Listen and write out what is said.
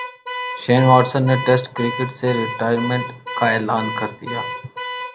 شین واٹسن نے test cricket سے ریٹائرمنٹ کا اعلان کر دیا